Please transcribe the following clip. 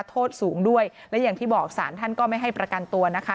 โทษสูงด้วยและอย่างที่บอกสารท่านก็ไม่ให้ประกันตัวนะคะ